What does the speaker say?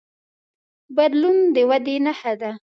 بدلون د ودې نښه ده.